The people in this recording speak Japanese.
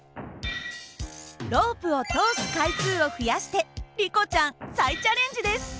ロープを通す回数を増やしてリコちゃん再チャレンジです。